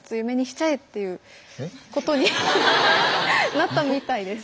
なったみたいです。